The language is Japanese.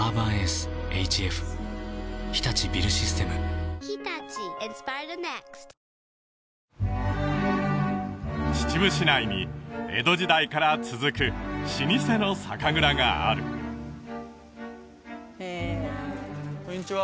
これキリッとして秩父市内に江戸時代から続く老舗の酒蔵があるこんにちは